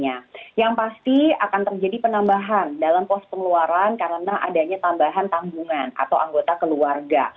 yang pasti akan terjadi penambahan dalam pos pengeluaran karena adanya tambahan tanggungan atau anggota keluarga